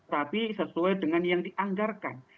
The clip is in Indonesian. tapi sesuai dengan yang dianggarkan